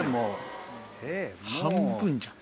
半分じゃん。